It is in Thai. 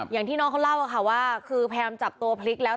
อย่างที่น้องเขาเล่าค่ะว่าคือพยายามจับตัวพลิกแล้ว